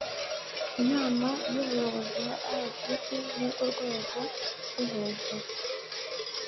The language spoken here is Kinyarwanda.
inama y’ubuyobozi ya rgb ni rwo rwego rwo hejuru